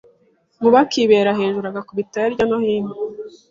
Nkuba akibera hejuru agakubita hilya no hino.